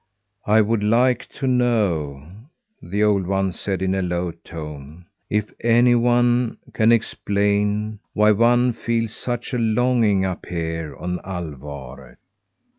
"I would like to know," the old one said in a low tone, "if anyone can explain why one feels such a longing up here on Alvaret.